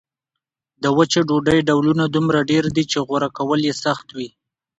د وچې ډوډۍ ډولونه دومره ډېر دي چې غوره کول یې سخت وي.